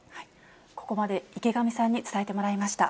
ここまで、池上さんに伝えてもらいました。